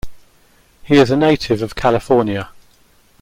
He is a native of California.